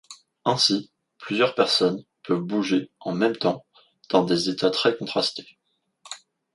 Ainsi, plusieurs personnes peuvent bouger en même temps dans des états très contrastés.